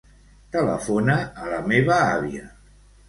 Telefona a la meva àvia.